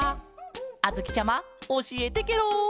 あづきちゃまおしえてケロ！